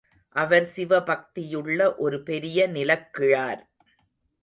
அவர் சிவபக்தியுள்ள ஒரு பெரிய நிலக்கிழார்.